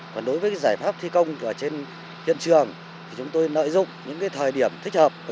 và đối với giải pháp thi công ở trên viện trường chúng tôi nợi dụng những thời điểm thích hợp